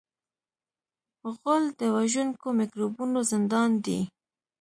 غول د وژونکو میکروبونو زندان دی.